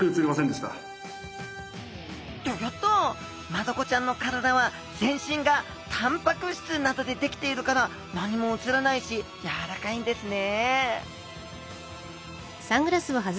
マダコちゃんの体は全身がタンパク質などで出来ているから何も写らないしやわらかいんですね